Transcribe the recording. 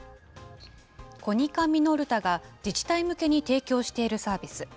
コニカミノルタが自治体向けに提供しているサービス。